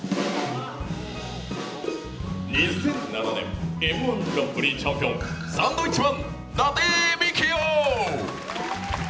２００７年「Ｍ−１グランプリ」チャンピオンサンドウィッチマン・伊達みきお。